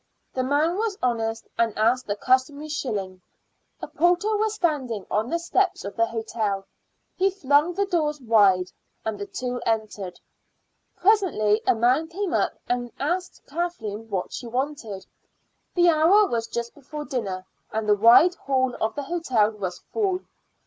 The man was honest, and asked the customary shilling. A porter was standing on the steps of the hotel. He flung the doors wide, and the two entered. Presently a man came up and asked Kathleen what she wanted. The hour was just before dinner, and the wide hall of the hotel was full.